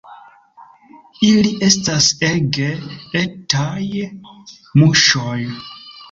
Ili estas ege etaj muŝoj.